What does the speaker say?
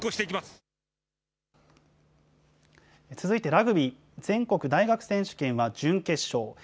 続いてラグビー、全国大学選手権は準決勝。